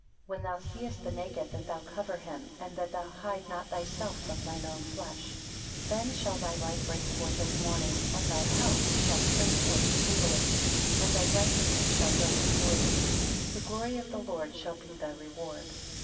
When thou seest the naked that thou cover him, and that thou hide not thyself from thy own flesh. 18 Then shall thy light break forth as the morning, and thy health shall spring forth speedily; and thy righteousness shall go before thee; the glory of the Lord shall be thy reward.